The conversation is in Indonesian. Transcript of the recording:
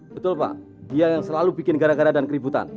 betul pak dia yang selalu bikin gara gara dan keributan